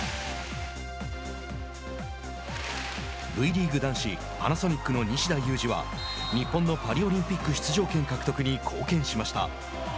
Ｖリーグ男子パナソニックの西田有志は日本のパリオリンピック出場権獲得に貢献しました。